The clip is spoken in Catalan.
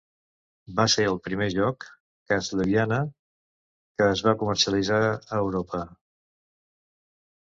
Va ser el primer joc "Castlevania" que es va comercialitzar a Europa.